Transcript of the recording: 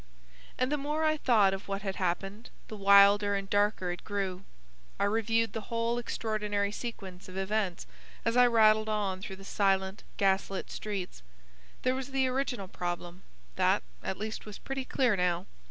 And the more I thought of what had happened, the wilder and darker it grew. I reviewed the whole extraordinary sequence of events as I rattled on through the silent gas lit streets. There was the original problem: that at least was pretty clear now.